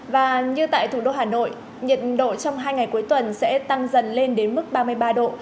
và như tại thủ đô hà nội nhiệt độ trong hai ngày cuối tuần sẽ tăng dần lên đến mức ba mươi ba độ